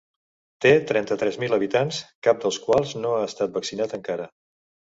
Té trenta-tres mil habitants, cap dels quals no ha estat vaccinat encara.